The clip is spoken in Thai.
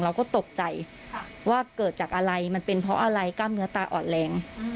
เราก็ตกใจว่าเกิดจากอะไรมันเป็นเพราะอะไรกล้ามเนื้อตาอ่อนแรง